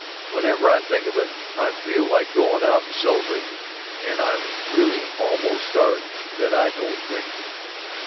Whenever I think of it I feel like goin' out and celebratin', and I'm really almost sorry that I don't drink.